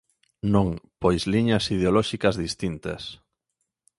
Non, pois liñas ideolóxicas distintas.